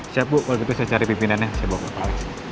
siap bu waktu itu saya cari pimpinannya saya bawa ke pales